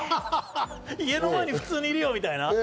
家の前に普通にいるよみたいな。